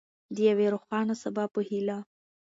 د یوې روښانه سبا په هیله.